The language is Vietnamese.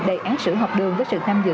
đề án sửa học đường với sự tham dự